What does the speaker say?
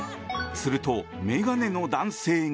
すると眼鏡の男性が。